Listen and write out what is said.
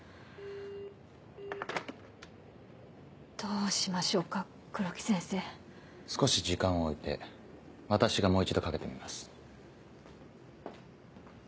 どうしましょうか黒木先生。少し時間を置いて私がもう一度かけてみます。